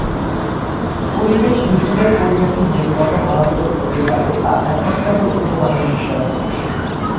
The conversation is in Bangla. পরিবেশ দূষণের পরিণতি যে কত মারাত্মক হতে পারে তা এখন কেবল অনুমানের বিষয় নয়।